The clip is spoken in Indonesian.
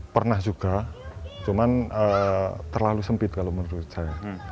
pernah juga cuman terlalu sempit kalau menurut saya